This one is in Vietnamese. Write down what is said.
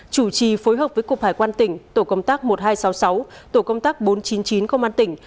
chủ trì phối hợp với cục hải quan tỉnh tổ công tác một nghìn hai trăm sáu mươi sáu tổ công tác bốn trăm chín mươi chín công an tỉnh